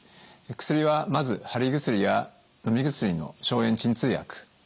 薬はまず貼り薬やのみ薬の消炎鎮痛薬。